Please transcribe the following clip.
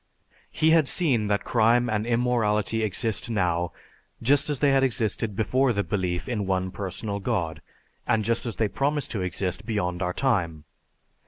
"_) He had seen that crime and immorality exist now, just as they had existed before the belief in one personal God, and just as they promise to exist beyond our time.